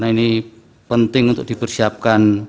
nah ini penting untuk dipersiapkan